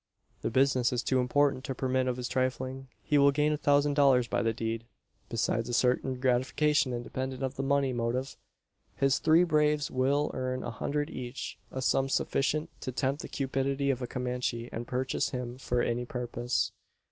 The business is too important to permit of his trifling. He will gain a thousand dollars by the deed besides a certain gratification independent of the money motive. His three braves will earn a hundred each a sum sufficient to tempt the cupidity of a Comanche, and purchase him for any purpose.